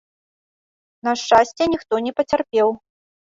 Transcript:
На шчасце, ніхто не пацярпеў.